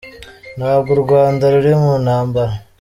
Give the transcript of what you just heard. Ntabwo u Rwanda ruri mu ntambara